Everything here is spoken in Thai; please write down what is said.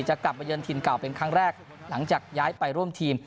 จะกลับมาเยินถิ่นเก่าเป็นครั้งแรกหลังจากย้ายไปร่วมทีม